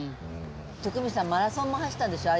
徳光さんマラソンも走ったでしょ？